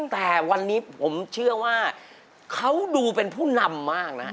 แต่วันนี้ผมเชื่อว่าเขาดูเป็นผู้นำมากนะ